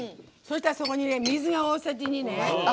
そしたらそこに水が大さじ２ね。